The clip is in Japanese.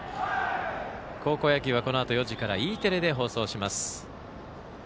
高校野球はこのあと４時からＥテレで放送します。